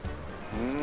うん。